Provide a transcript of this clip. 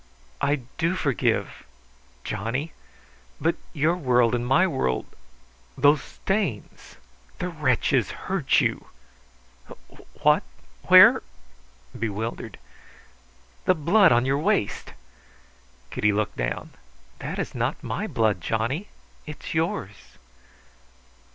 "I do forgive Johnny! But your world and my world " "Those stains! The wretches hurt you!" "What? Where?" bewildered. "The blood on your waist!" Kitty looked down. "That is not my blood, Johnny. It is yours."